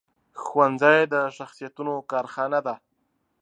ښوونځی د شخصیتونو کارخانه ده